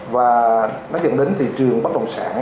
và nó dẫn đến thị trường bất động sản